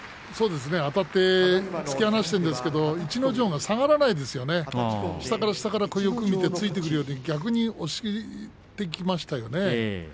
あたって突き放しているんですが逸ノ城が下がらないですよね、下から下からよく見て突いていって逆に押してきましたよね。